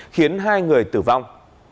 khiến hai người tử vong